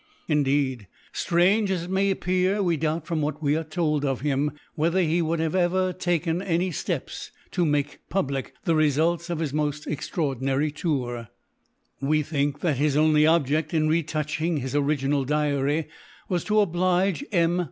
Indeed, strange as it may appear, we doubt, from what we are told of him, whether he would have ever taken any stepsto make public the results of his most extraordinary tour; we think that his only object in re touching his original Diary was to oblige M.